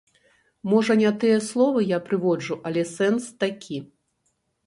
Можа не тыя словы я прыводжу, але сэнс такі.